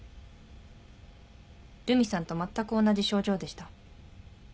留美さんとまったく同じ症状でした。